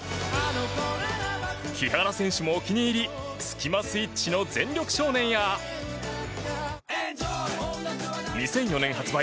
木原選手もお気に入りスキマスイッチの「全力少年」や２００４年発売